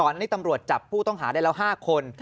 ตอนนี้ตำรวจจับผู้ต้องหาได้แล้ว๕คน